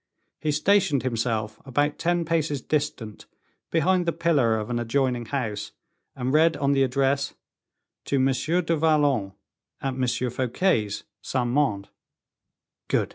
He stationed himself about ten paces distant, behind the pillar of an adjoining house, and read on the address, "To Monsieur du Vallon, at Monsieur Fouquet's, Saint Mande." "Good!"